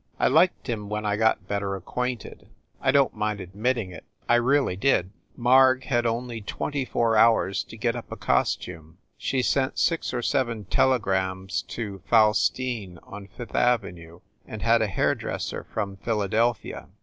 I liked him when I got better ac quainted. I don t mind admitting it, I really did. 2i8 FIND THE WOMAN Marg had only twenty four hours to get up a cos tume. She sent six or seven telegrams to Faustine, on Fifth Avenue, and had a hair dresser from Philadelphia.